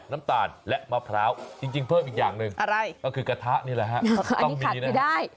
น้ำตาลและมะพร้าวจริงเพิ่มอีกอย่างอะไรนี่ใช่